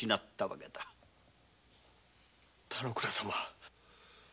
田之倉様。